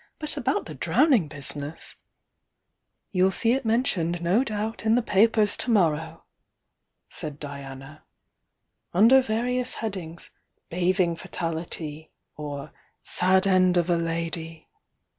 But about the drowning business " "You'll see it mentioned, no doubt, in the papers to morrow," said Diana. "Under various headings: 'Bathing Fatality' or 'Sad End of a Lady.'